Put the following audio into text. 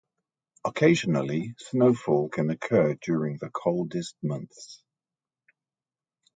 Occasionally, snowfall can occur during the coldest months.